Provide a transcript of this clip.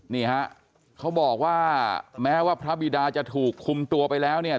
นี่ฮะเขาบอกว่าแม้ว่าพระบิดาจะถูกคุมตัวไปแล้วเนี่ย